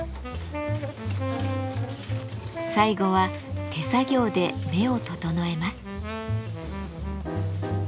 最後は手作業で目を整えます。